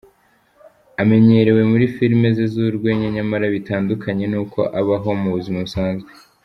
Amenyerewe muri filime ze z'urwenya nyamara bitandukanye n'uko abaho mu buzima busanzwe.